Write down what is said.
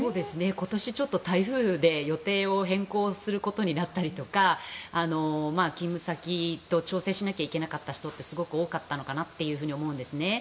今年、台風で予定を変更することになったりとか勤務先と調整しなきゃいけなかった人ってすごく多かったのかなと思うんですね。